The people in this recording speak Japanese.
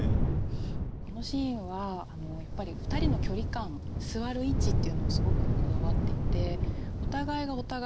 このシーンはやっぱり２人の距離感座る位置っていうのをすごくこだわっていて。